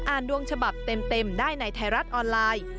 ดวงฉบับเต็มได้ในไทยรัฐออนไลน์